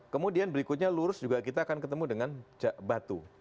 kemudian berikutnya lurus juga kita akan ketemu dengan batu